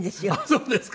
そうですか。